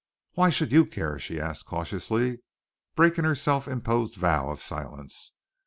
"Why should you care?" she asked cautiously, breaking her self imposed vow of silence.